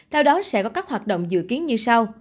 theo đó sẽ có các hoạt động dự kiến như sau